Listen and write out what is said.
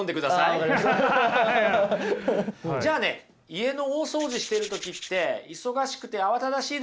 じゃあね家の大掃除してる時って忙しくて慌ただしいですよね。